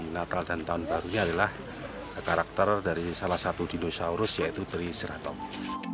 natal dan tahun barunya adalah karakter dari salah satu dinosaurus yaitu triceraton